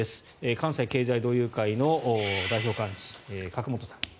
関西経済同友会の代表幹事、角元さん。